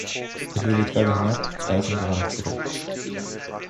Ich will die Treppe hinab, reiße mich aber noch zurück.